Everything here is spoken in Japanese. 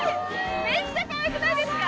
メッチャかわいくないですか？